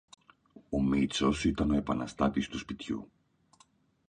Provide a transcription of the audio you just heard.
Ο Μήτσος ήταν ο επαναστάτης του σπιτιού.